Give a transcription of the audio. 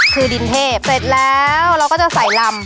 คือดินเทพเสร็จแล้วเราก็จะใส่ลำ